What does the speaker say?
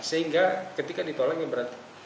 sehingga ketika ditolaknya berarti